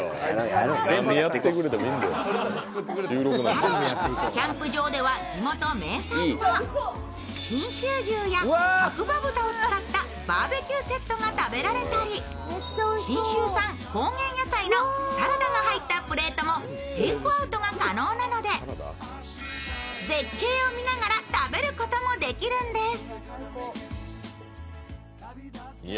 更にキャンプ場では地元名産の信州牛や白馬豚を使ったバーベキューセットが食べられたり信州産高原野菜のサラダが入ったプレートもテイクアウトが可能なので絶景を見ながら食べることもできるんです。